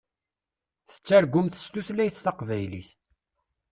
Tettargumt s tutlayt taqbaylit.